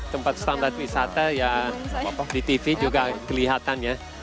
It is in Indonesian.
tempat standar wisata ya di tv juga kelihatannya